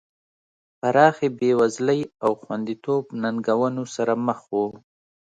پراخې بېوزلۍ او خوندیتوب ننګونو سره مخ وو.